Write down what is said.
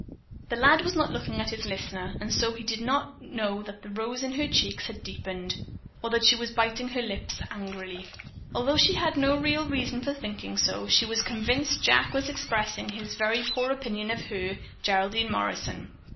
The lad was not looking at his listener and so he did not know that the rose in her cheeks had deepened, or that she was biting her lips angrily. Although she had no real reason for thinking so, she was convinced Jack was expressing his very poor opinion of her, Geraldine Morrison.